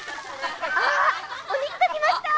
「あお肉が来ました！」